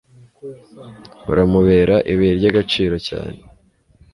uramubera ibuye ryagaciro cyane